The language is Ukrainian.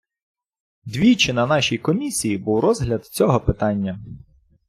Двічі на нашій комісії був розгляд цього питання.